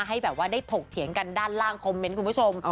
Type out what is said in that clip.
ให้แบบว่าได้ถกเถียงกันด้านล่างคอมเมนต์คุณผู้ชม